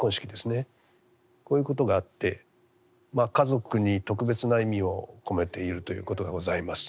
こういうことがあって家族に特別な意味を込めているということがございます。